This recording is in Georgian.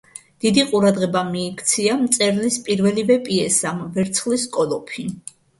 დიდი ყურადღება მიიქცია მწერლის პირველივე პიესამ ვერცხლის კოლოფი.